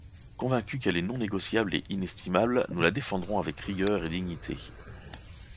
Convaincus qu'elle est non négociable et inestimable, nous la défendrons avec rigueur et dignité.